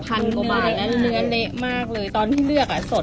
พันกว่าบาทแล้วเนื้อเละมากเลยตอนที่เลือกอ่ะสด